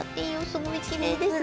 すごいきれいですね。